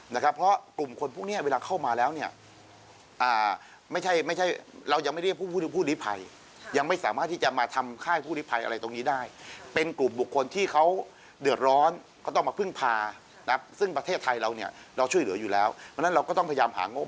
๓มาตรการขั้นสุดท้ายจะเป็นการกระทำโดยจะไม่ทำให้ภาพลักษณ์ของประเทศไทยเสียหายในสังคมโลก